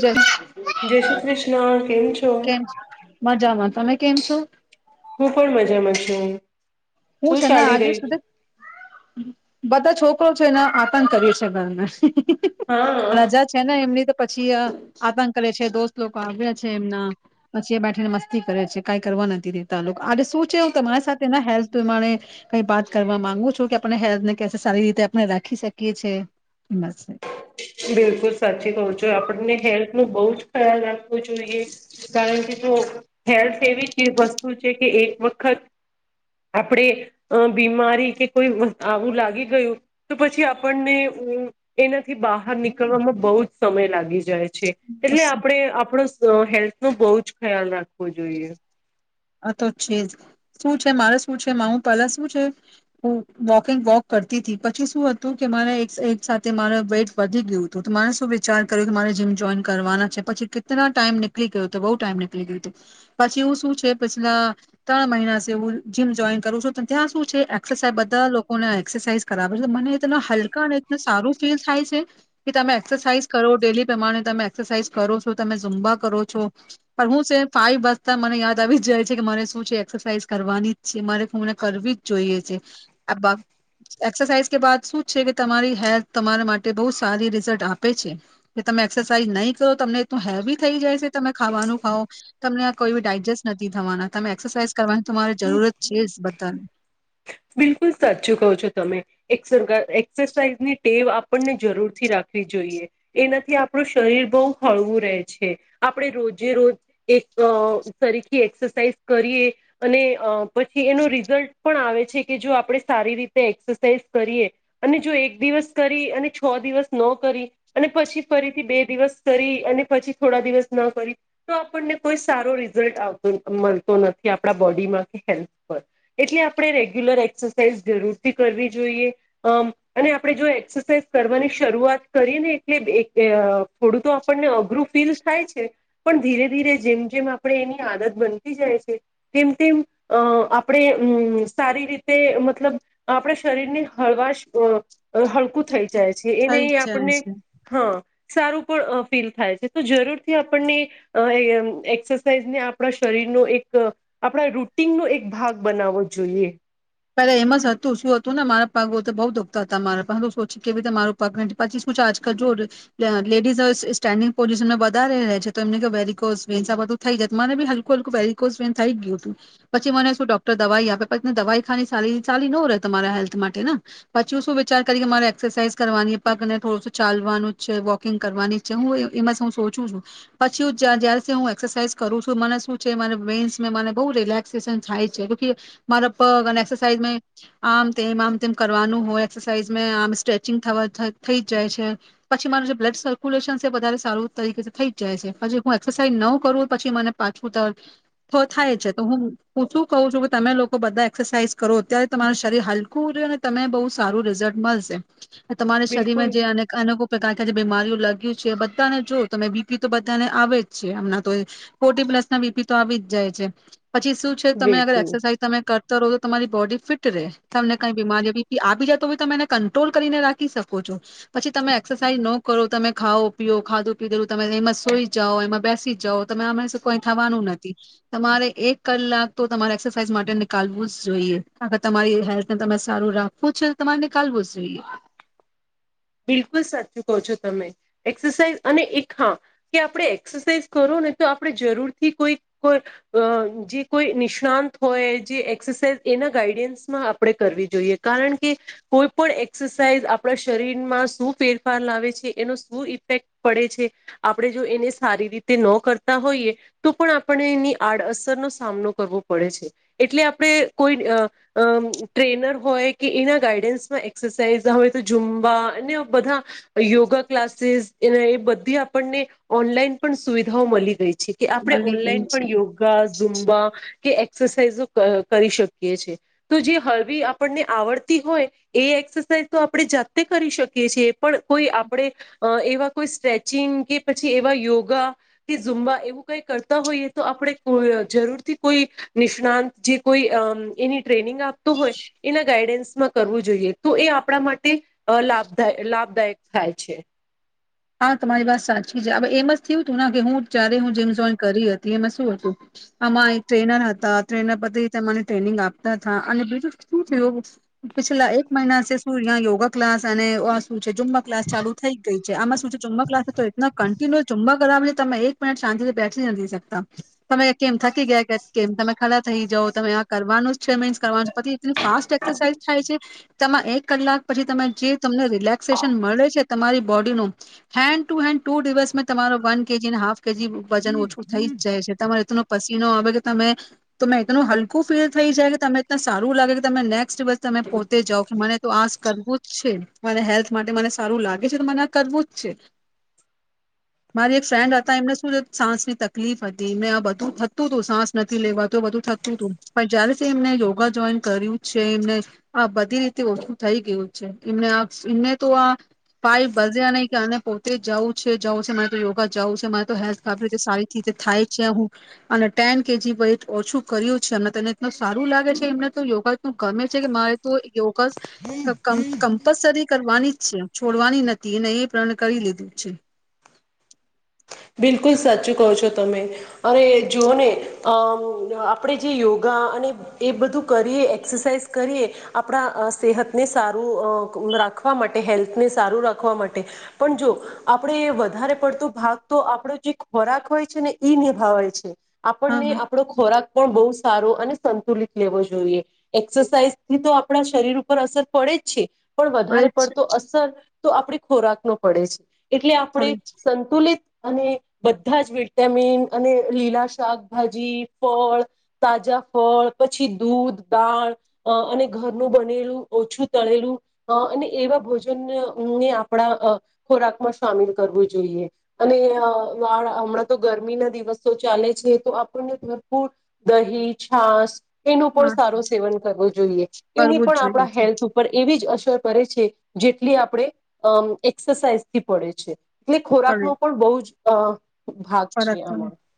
જ [inaudible] જય શ્રી કૃષ્ણ કેમ છો? કેમ મજામાં તમે કેમ છો? હું પણ મજામાં છું. હું શું છે ના ચાલી આજે રહી સુધી બધા છોકરો છે એને આતંક કર્યું છે ઘરના હા રાજા છે ને એમની તો પછી આતંક કરે છે, દોસ્ત લોકો આવ્યા છે, એમના પછી એ બેઠીને મસ્તી કરે છે, કાઈ કરવા નથી દેતા આ લોક આજે શું છે હું તમારી સાથે ના હેલ્થ [unintelligible] કઈ વાત કરવા માંગુ છું કે આપણે હેલ્થને કેસે સારી રીતે આપણે રાખી શકીએ છે બિલકુલ સાચી કહું છું આપણને હેલ્થ ન બઉ જ ખ્યાલ રાખવો જોઈએ, કારણ કે જો હેલ્થ એવી વસ્તુ છે કે એક વખત આપડે બીમારી કે કોઈ આવું લાગી ગયું તો પછી આપણને એનાથી બહા બહાર નીકળવામાં બહુ જ સમય લાગી જાય. છે એટલે આપણેે આપણો [unintelligible] તો હેલ્થ નો બહુ જ ખ્યાલ રાખવો જોઈએ. આ તો છેજ શું છે મારે શું છે મા ઉ પહેલા શું છે, હું વોકિંગ વોક કરતી તી, પછી શું હતું કે મારે એક એક સાથે મારે વેઇટ વધી ગ્યું તુ તો મારે શું વિચાર કર્યો કે મારે જીમ જોઈન કરવાના છે, પછી કિતના ટાઈમ નીકળી ગયો હતો, બઉ ટાઈમ નીકળી ગ્યો તો પછી એવું શું છે ફીસ ના ત્રણ મહિના [unintelligible] વુ જીમ જોઈન કરું છું, ત્યાં શું છે એક્રસા બધા લોકોને એક્સરસાઇઝ કરાવ છે, મને ઈતના હલકા અને સારું ફીલ થાય છે કે તમે એક્સરસાઇઝ કરો ડેલી પ્રમાણે તમે એક્સરસાઇઝ કરો છો તમે ઝુંબા કરો છો, પણ હું છે ફાઈવ બજતા મને યાદ દ આવી જાય છે કે મારે શું છે એક્સરસાઇઝ કરવાની જ છે, મારે શું મને કરવી જ જોઈએ છે, આ એક્સરસાઇઝ કે બાદ શું છે કે તમારી હેલ્થ તમારા માટે બહુ સારી રિઝલ્ટ આપે છે, કે તમે એક્સરસાાઈઝ નહીં કરો તમને તો હેવી થઈ જાય છે તમે ખાવાનું ખાવ તમને આ કોઈ બી ડાયજેસ્ટ નથી થવાના તમે એક્સરસાઇઝ કરવાની તમારે જરૂરત છે જ બધાને. બિલકુલ સાચું કહો છો તમે એ એક્સરસાઇઝની ટેવ આપણને જરૂરથી રાખવી જોઈએ, એનાથી આપણું શરીર બહુ હળવું રહે છે, આપણે રોજે રોજ એક તરીકે એક્સરસાઇઝ કરીએ અને પછી એનો રિઝલ્ટ પણ આવે છે કે જો આપણે સારી રીતે એક્સરસાઇઝ કરીએ અને જો એક દિવસ કરી અને છ દિવસ ન કરી અને પછી ફરીથી બે દિવસ કરી અને પછી થોડા દિવસ ન કરી તો આપણને કોઈ સારો રિઝલ્ટ આવતો મળતો નથી આપણા બોડીમાં કે હેલ્થ પર એટલે આપણે રે રગ્યુલર એક્સરસાઇઝ જરૂર થી કરવી જોઈએ, અમ અને આપણે જો એક્સરસાઇઝ કરવાની શરૂઆત કરીએ ને એટલે એક બે અ થોડું તો આપણને અઘરું ફીલ થાય છે, પણ ધીરે ધીરે જેમ જેમ આપણે એની આદત બનતી જાય છે તેમ તેમ આપડે અમ સારી રીતે મતલબ આપણે શરીર ની હળવાસ [unintelligible] બુત થઈ જાય છે એને જ જાય આપણને છે. હ. સારું પણ ફીલ થાય છે તો જરૂરથી આપણને એક્સરસાઇઝને આપણા શરીરનો એક આપણા રૂટીનનો એક ભાગ બનાવવો જોઈએ. [inaudible] પેલા એમ જ હતું શું હતુંને મારા પગ તો બઉુ દુઃખતા હતા. મારાગ સોચી કેવી રીતે મારું પગ નથી પછી શું છે આજકાલ જો લેડીઝ સ્ટેન્ડિંગ પોઝિશનને વધારે છે. તો એમને વેરિક આ બધું થઈ જતુંને હલકું હલકું વેરીિકસ વેસ થઈ ગયું હતું. પછી મને શું ડોક્ટર દવાઈ આપે પછી દવાઈ ખા સ સાલી ન રહે તમારા હેલ્થ માટે ને પછી શું વિચાર કરી કે મારે એક્સરસાાઈઝ કરવાની પગ ને થોડું ચાલવાનું છે. વોકિંગ કરવાની છે હું એમાં હું સોચું છું પછી જ હું એક્સરસાાઈઝ કરું છું મને શું છે વેન્સ મને બહુ રિલેક્સેશન થાય છે. મારા પગ અને એક્સરસાઝ આમ તેમ આમ તેમ કરવાનું હોય એક્સરસાઇઝ આમ સ્ટ્રેચિંગ થવા થ થઈ જ જાય છે પછી માર જે બ્લડ સર્ક્યુલેશન છે વધારે સારું તરીકે થઈ જાય છે પચા હું એક્સરસાઇઝ ન કરું પછી મને પાછું તર [unintelligible] થાય છે તો હું હું શું કું છું કે તમે લોકો બધા એક્સરસાઇઝ કરો અત્યારે તમાર શરીર હલકું રે અને તમને બહુ સારું રિઝલ્ટ મલશે. તમારા બિલકુલ શરીરમાં જે અનેક અનેકો પ્રકાર જે બીમારીઓ લગ્યું છે, બધાને જો તમે બી પી તો બધાને આવે જ છે હમણાં તોયે ફોર્ટી પ્લસ ના બી પી તો આવી જ જાય છે. પછી શું છે તમે અગર બિલકુલ એક્સરસાઇઝ તમે કર ત [unintelligible] તમારી બોડી ફિટ રે, તમને કાઈ બીમારી આવી જાય તો બી તમે એને કંટ્રોલ કરીને રાખી શકો છો પછી તમે એક્સરસાઇઝ ન કરો તમે ખાઓ પીઓ ખાધું પીધેલું તમે એમાં સોઈ જાઓ એમાં બેસી જ જાઓ તમે આમાં કઈ થવાનું નથી, તમારે એક કલાક તો તમારે એક્સરસાઇઝ માટે નીકાલવું જ જોઈએ અગર તમારી હેલ્થને સારું રાખવું છે તમારે નિકાલવું જ જોઈએ. બિલકુલ સાચું કહો છો તમે એક્સરસાઇઝ અને એક હા કે આપણે એક્સરસાઇઝ કરો ને તો આપણે જરૂરથી કોઈ કો જે કોઈ નિષ્ણાત હોય જે એક્સરસાઇઝ એના ગાઈડન્સમાં આપણે કરવી જોઈએ કારણ કે કોઈ પણ એક્સરસાઇઝ આપણા શરીર. ફફ છે એનો શું ઇફેક્ટ પડે છે આપણે જો એને સારી રીતે ન કરતા હોઈએ તો પણ આપણે એની આડઅસરનોો સામનો કરવો પડે છે એટલે આપણે કોઈ ટ્રેનર હોય કે એના ગાઈડન્સમાં એઝ હોય તોવા. એને બધા. યોગા ક્લાસીસ. એ એ બધી આપણને ઓનલાઈન પણ સુવિધાઓ મળી ગઈ છે. કે આપણે મળી ગઈ ઓનલાઈન પણ છે. યોગા ઝુમબા. કે એક્સરસાઇઝો કરી શકીએ છે તો જે હળવી આપણને આવડતી હોય એ એક્સરસાઇઝ તો આપણે જાતે કરી શકીએ. પણ કોઈ આપણે એવા કોઈ સ્ટ્રેચિંગ કે પછી એવા યોગા કે ઝુંમબા એવું કઈ કરતા હોઈએ તો આપણે જરૂરથી કોઈ નિષ્ણાત જે કોઈ એની ટ્રેનિંગ આપતો હોય એના ગાઈડન્સમાં કરવું જોઈએ તો એ આપણા માટે લાભ. લાભદાયક થાય છે. હા તમારી વાત સાચી છેવે એમ થયું હતું કે હું જયારે હું જેમ જોઈન કરી હતી એમાં શું હતું. આમાં એક ટ્રેનર હતા. ટ્રેનર પીને ટ્રેનિંગ આપતા હતા અને બીજું શું થયું પછલા એક મહિના શું ત યોગા ક્લાસ અને જુમમાં ક્લાસ ચાલુ થઈ ગઈ છે આમાં ક તો કન્ટિ્ય ચું કરાવી તમે એક મિટ શાંતિથી બેઠી નથી શકે તમે કેમ થકી ગયા કે કેમ તમે ખડા થઇ જાવ તમે આ કરવાનું જ છે મિન્સ કરવાનું પછી એટલી ફાસ્ટ એક્સરસાઇઝ થાય છે તમામાં એક કલાક પછી તમે જે તમને રિલેક્સેશન મળે છે તમારી બોડીનું હેન્ડ ટુ હેન્ડ ટુ દિવસ મેં તમારો વન કેજીને હાફ કે જે વજન ઓછું થઈ જાય છે તમારેત પસીનો આવે કે તમે તોં એનું હલકું ફીલ થઈ જાય કે તમે એ સારું લાગે કે તમે નેક્સ્ટ દિવસ તમે પોતે જાવ કે મને તો આ કરવું જ છે મને હેલ્થ માટે મને સારું લાગે છે તો મને આ કરવું જ મારી એક ફ્રેન્ડ હતા એમને શું સાસની તકલીફ હતી એમને આ બધું થતું હતું સાસ નથી લેવાત બધું થતું હતું પણ જયારે એમને યોગા જોઈન કર્યું છે એમને આ બધી રીતે ઓછું થઈ ગયું છે એમને એમને તો આ પાય ભઝે અને કે આને પોતે જઉું છે જવું છે મારે તો યોગા જવું છે મારે તો હેલ્થ ખ રીતે સારી રીતે થાય છે હું અને ટેન કેજી વેઇટ ઓછું કર્યું છે અને તને એું સારું લાગે છે એમને તો યોગા એું ગમે છે કે મારે તો યોગ કમ્પલસરી કરવાની છોડવાની નથી એ પ્રણ કરી લીધું છે બિલકુલ સાચું કહો છો તમે અ જોઓને આપણે જે યોગા અને એ બધું કરીએ એક્સરસાઇઝ કરીએ આપણા સેહતને સારું રાખવા માટે હેલ્થને સારું રાખવા માટે પણ જો આપણે વધારે પડતો ભાગ તો આપણો જે ખોરાક હોય છે ને ઈ નિભાવે છે હા આપણને હા આપણો ખોરાક પણ બહુ સારો અને સંતુલિત લેવો જોઈએ એક્સરસાઇઝ થી તો આપણા શરીર ઉપર અસર પડે જ છે પણ પડે જ વધારે છે પડતો અસર તો આપે ખોરાક નો પડે છે એટલે આપણે પડે જ સંતુલિત અને બધા જ વિટામિન અને લીલા શાકભાજી ફળ તાજા ફળ પછી દૂધ દાળ અને ઘરનું બનેલું ઓછું તળેલું અને એવા ભોજનને આપણા ખોરાકમાં સામેલ કરવું જોઈએ અને વા હમણાં તો ગરમી ના દિવસો ચાલે છે તો આપણને ભરપૂર દહી છાસ એનું પણ હા સારો સેવન કરવો જોઈએ એની કરવું જ પણ જોઈએ છે આપણા હેલ્થ ઉપર એવી જ કરે છે જેટલી આપણે અ એક્સરસાઇઝથી પડે છે એટલે ખોરાક પડે નો હા ફરક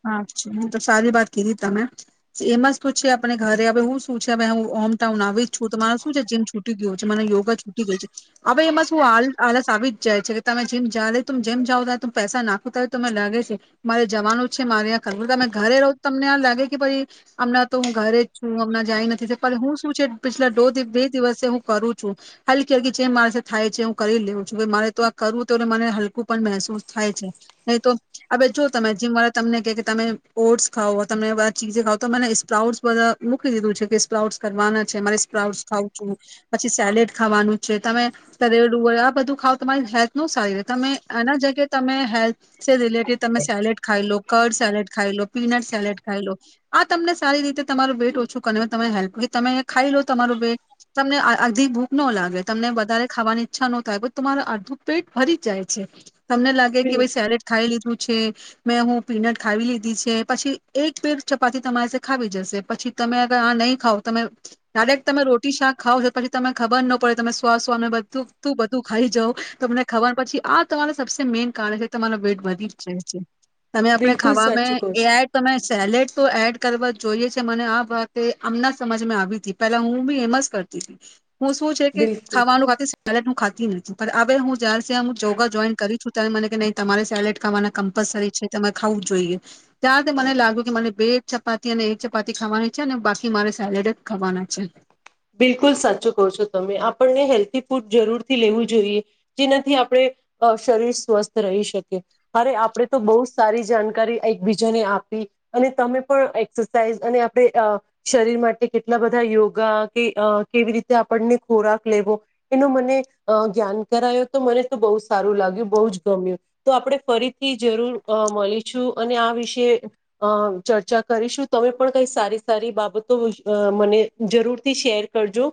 હા હ તો સારી વાત કીધી તમે એમાં શું છે આપ ઘરે હવે હું શું છે હું હોમ ટાઉન આવી જ છું તો મારે શું છે જીમ છૂટી ગયું છે મને યોગા છૂટી ગયું છે હવે એમાં શું આલસ આવી જ જાય છે કે તમે જીમ જ લ ત જેમ જાવ હોય ત પૈસા નાખુ ત્યારે તમે લાગે છે મારે જવાનું જ છે મારેં કરવું અ ઘરે રહ તમને આ લાગે કે ભાઈ હમણાં તો હું ઘરે જ છું હમણાં જાય નથી હું શું છે પછલાો બે દિવસે હું કરું છું હલકી હલકી જેમ મારે થાય છે હું કરી લેઉું છું મારે તો આ કરવું તો એને મને હલકું પણ મહેસૂસ થાય છે નહીં તો હ જો તમે જેમ મા તમને કે તમે ઓટ્સ ખાવ તમે બધ ચીજે ખાવ તો મને સ્પ્રાઉટ્સ બધા મૂકી દીધું છે કે સ્પ્રાઉટ્સ કરવાના છે મારે સ્પ્રાઉટ્સ ખાવ છું પછી સેલેડ ખાવાનું છે તમે તરેલુ હોય આ બધું ખાવ તમારી હેલ્થ ન સારી તમે એના જગ્યા તમે હેલ્થ રિલેટેડ તમે સેલેડ ખાઈ લો કર સેલેડ ખાઈ લો પીનટ સેલેડ ખાઈ લો આ તમને સારી રીતે તમારું વેટ ઓછું કર તમે હેલ્પ કર તમે ખાઈ લો તમારું વેટ તમને આધી ભૂખ ન લાગે તમને વધારે ખાવાની ઈચ્છા ન થાય તમારું અડધું પેટ ભરી જ જાય છે તમને લાગે કે બિલ ભાઈ સેલેટ ખાઈ લીધું પછ છે [inaudible] મેં હું પીનટ ખાવી લીધી છે પછી એક પેર ચપાતી તમારી ખાવી જશે પછી તમેર આ નહીં ખાવ તમે ડાયરેક્ટ તમે રોટી શાક ખાવ છો પછી તને ખબર ન પડે તમે શવા શવા બધું તું બધું ખાઈ જાવ તમને ખબર પછી આ તમારા સબસે મેન કારણે છે તમારો વેટ વધી જ જાય છે તમે આપણે બિલકુલ સાચું ખાવામાં કહો એ છો આડ તમે સેલેડ તો એડ કરવા જોઈએ છે મને આ વાત આમણા સમજમાં આવી હતી પેલા હું બી એમસ કરતી તી હું શું છે કે બિલકુલ ખાવાનું ખા સિગલેટ નું ખાું નથી હવે હું જયારે હ જોયોગા જોઈન કરીું છું ત્યારે મને ન તમારે સેલેડ ખાવાના કમ્પલસરી છે તમે ખાવું જોઈએ ત્યાર મને લાગ્યું કે મને બે ચપાતી અને એક ચપાતી ખાવાની છે અને બાકી મારે સેલેડ જ ખાવાના છે બિલકુલ સાચું કહો છો તમે આપણને હેલ્થી ફૂડ જરૂરથી લેવું જોઈએ જેનાથી આપણે શરીર સ્વસ્થ રહી શકીએ અરે આપડણે તો બહુ સારી જાણકારી એકબીજાને આપી અને તમે પણ એક્સરસાઇઝ અને આપણે શરીર માટે કેટલા બધા યોગા કે કેવી રીતે આપણને ખોરાક લેવો એનું મને ધ્્યાન કરાયો તો મને તો બહુ સારું લાગ્યું બહુ જ ગમ્યું તો આપણે ફરી થી જરૂર મળી જો અને આ વિશે અ ચર્ચા કરીશું તમે પણ કઈ સારી સારી બાબતો અ મને જરૂર થી શેર કરજો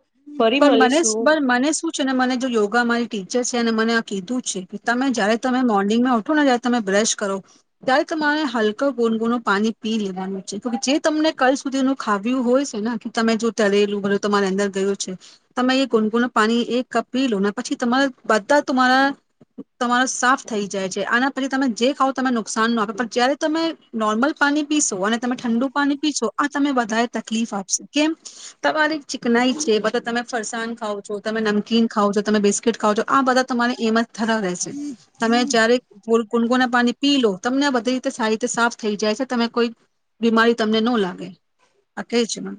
પણ મને મને શું છે ને મને જો યોગા મારી ટીચર છે ને મને આ કીધું છે કે તમે જયારે તમે મોર્નિંગમાં ઉઠો ને જયારે તમે બ્રશ કરો ત્યારે તમારે હલક ગોનગોનું પાણી પી લેવાનું છે જે તમને કાલ સુધીનું ખાવ્યું હોય છે ને કે તમે જો તરેલું ભલો તમારી અંદર ગયું છે તમે એ ગુનગુનુ પાણી એક કપ પી લો પછી તમારા બધા તમારા તમારો સાફ થઈ જાય છે આના પછી તમે જે ખાવ તને નુકસાન ન આપ પણ જયારે તમે નોર્મલ પાણી પીશો અને તમે ઠંડુ પાણી પીશો આ તમે વધારે તકલીફ આપશ કેમ તમારી ચીકનાઈ છે તમે ફરસાણ ખાવ છો તમે નમકીન ખાવ છો તમે બિસ્કીટ ખાવઓ છો આ બધા તમારે એમ થતા રહેેશે તમે જ્યારે ગુનગુ ના પાણી પી લો તમને બધી રીતે સારી રીતે સાફ થઈ જાય છે તમે કોઈ બીમારી તમને ન લાગે આ કે છે મમ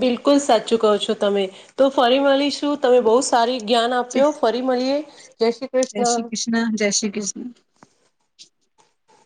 બિલકુલ સાચું કહો છો તમે તો ફરી મળીશું તમે બહુ સારી જ્ઞાન જય આપ્યો ફરી મળીએ જય શ્રી કૃષ્ણ શ્રી કૃષ્ણ જય શ્રી કૃષ્ણ [inaudible]